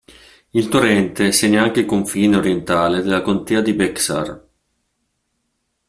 Il torrente segna anche il confine orientale della contea di Bexar.